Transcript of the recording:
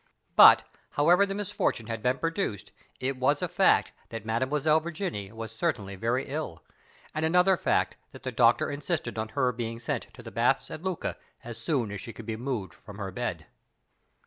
But, however the misfortune had been produced, it was a fact that Mademoiselle Virginie was certainly very ill, and another fact that the doctor insisted on her being sent to the baths of Lucca as soon as she could be moved from her bed.